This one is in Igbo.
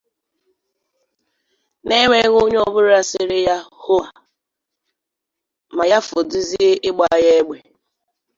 n'enweghị onye ọbụla sịrị ha 'hoa!' ma ya fọdụzie ịgba ha egbè